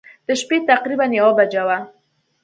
د شپې تقریباً یوه بجه وه.